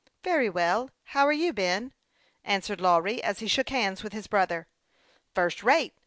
" Very well ; how are you, Ben ?" answered Law ry, as he shook hands with his brother. " First rate.